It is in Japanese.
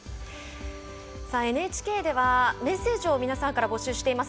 ＮＨＫでは、メッセージを皆さんから募集しています。